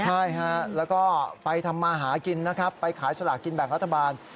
ใช่ฮะแล้วก็ไปทำมาหากินนะครับไปขายสลากกินแบ่งรัฐบาล